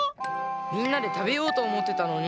みんなでたべようとおもってたのに。